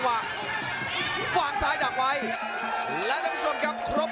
ออกอาวุธแลกกันอย่างไม่หยุดจังครับ